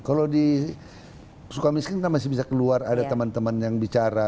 kalau di sukamiskin kita masih bisa keluar ada teman teman yang bicara